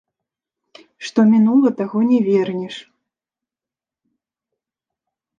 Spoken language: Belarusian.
Што мінула, таго не вернеш.